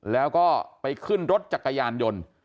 แล้วก็ไปขึ้นรถจักรยานยนต์